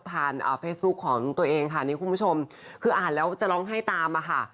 ผ่านเฟสบุ๊คของตัวเองค่ะคุณผู้ชมคืออ่านแล้วจะลองให้ตามค่ะ